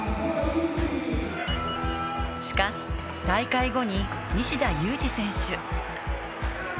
しかし、大会後に西田有志選手。